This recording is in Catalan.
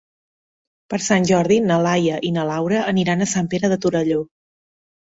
Per Sant Jordi na Laia i na Laura aniran a Sant Pere de Torelló.